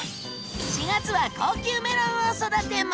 ４月は高級メロンを育てます。